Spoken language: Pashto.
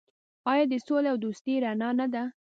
آیا د سولې او دوستۍ رڼا نه ده؟